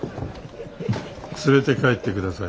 連れて帰ってください。